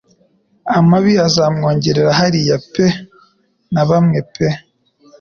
Amababi azamwongorera hariya pe na bamwe pe